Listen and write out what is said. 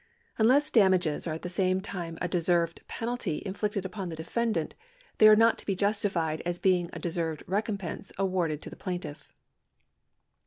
Unless damages are at the same time a deserved penalty inflicted upon the defendant, they are not to be justified as being a deserved recompense awarded to the plaintiff.